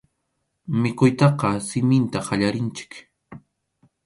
Mikhuytaqa siminta qallarinchik.